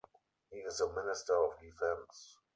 He is the Minister of Defense.